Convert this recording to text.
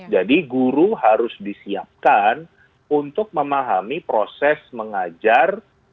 jadi guru harus disiapkan untuk memahami proses mengajar